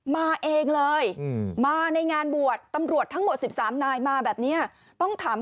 มาเองเลยมาในงานบวชตำรวจทั้งหมด๑๓นายมาแบบนี้ต้องถาม